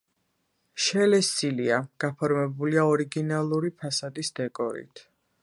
შელესილია, გაფორმებულია ორიგინალური ფასადის დეკორით.